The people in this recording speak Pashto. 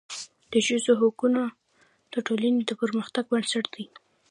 د ښځو حقونه د ټولني د پرمختګ بنسټ دی.